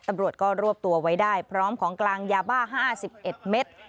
อับรวจก็รวบตัวไว้ได้พร้อมของกลางยาบ้าห้าสิบเอ็ดเมตร